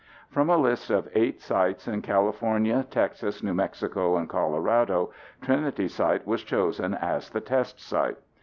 From a list of eight sites in California, Texas, New Mexico and Colorado, Trinity Site was chosen as the test site.